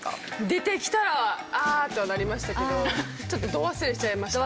出てきたらあー！とはなりましたけどちょっとど忘れしちゃいました。